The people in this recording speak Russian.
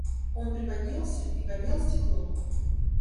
Он приподнялся и поднял стекло.